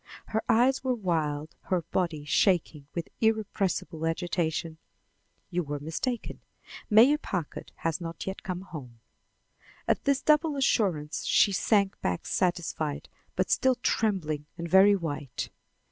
Her eyes were wild, her body shaking with irrepressible agitation. "You were mistaken. Mayor Packard has not yet come home." At this double assurance, she sank back satisfied, but still trembling and very white.